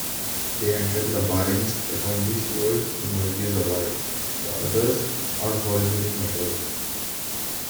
They enter the Barrens, but only Suerd emerges alive; the others are horribly murdered.